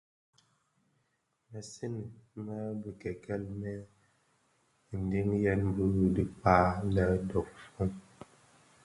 Mësëňi mË bikekel mèn ndheňiyên bi dhikpag lè dofon.